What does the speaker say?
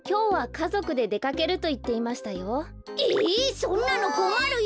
そんなのこまるよ。